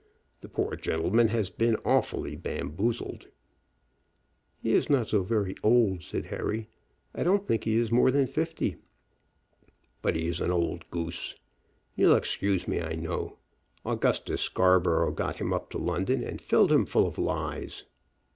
"The poor gentleman has been awfully bamboozled." "He is not so very old," said Harry, "I don't think he is more than fifty." "But he is an old goose. You'll excuse me, I know. Augustus Scarborough got him up to London, and filled him full of lies."